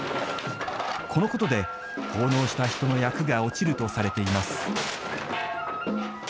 このことで奉納した人の厄が落ちるとされています。